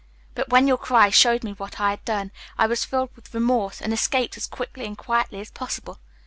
But when your cry showed me what I had done, I was filled with remorse, and escaped as quickly and quietly as possible.